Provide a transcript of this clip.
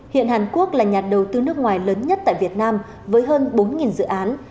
hiện hàn quốc là nhà đầu tư nước ngoài lớn nhất tại việt nam với hơn bốn dự án